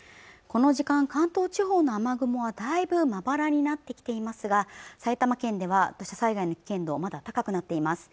この時間関東地方の雨雲はだいぶまばらになってきていますが埼玉県では土砂災害の危険度はまだ高くなっています